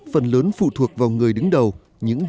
phần lớn phụ thuộc vào người đứng đầu